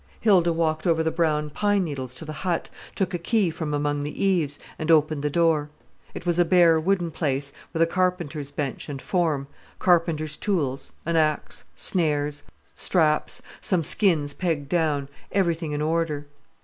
Hilda walked over the brown pine needles to the hut, took a key from among the eaves, and opened the door. It was a bare wooden place with a carpenter's bench and form, carpenter's tools, an axe, snares, traps, some skins pegged down, everything in order.